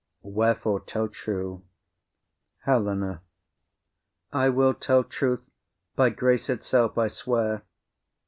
Wherefore? tell true. HELENA. I will tell truth; by grace itself I swear.